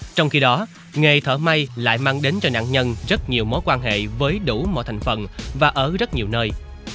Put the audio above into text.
trong khi đó nghề thợ may lại mang đến cho nạn nhân rất nhiều mối quan hệ với đủ mọi thành phần và ở rất nhiều nơi